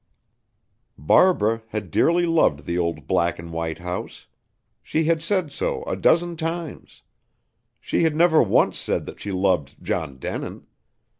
Barbara had dearly loved the old black and white house. She had said so a dozen times. She had never once said that she loved John Denin.